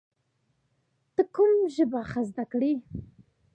ته کوم ژبه ښه زده کړې؟